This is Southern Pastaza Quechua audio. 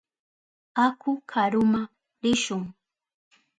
Aku karuma rishun.